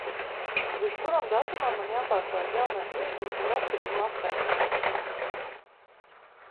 Līdz kuram datumam man jāpārslēdz jaunais līgums par atkritumu apsaimniekošanu?